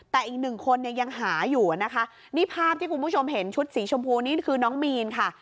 แต่อีกหนึ่งคนเนี่ยยังหาอยู่นะคะนี่ภาพที่คุณผู้ชมเห็นชุดสีชมพูนี่คือน้องมีนค่ะ